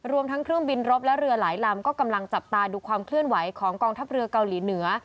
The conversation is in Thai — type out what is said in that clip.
รวมทั้งเครื่องบินรบและเรือหลายลำก็กำลังจับตาดูความเคลื่อนไหวของกองทัพเรือเกาหลีเหนือ